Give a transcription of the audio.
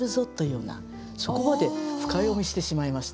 そこまで深読みしてしまいました。